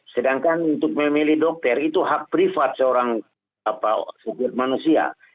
sedangkan untuk memilih dokter itu hak privat seorang setiap manusia